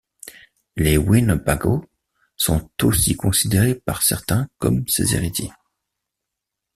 Les Winnebagos sont aussi considérés par certains comme ses héritiers.